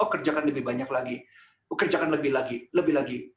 kerjakan lebih banyak lagi kerjakan lebih lagi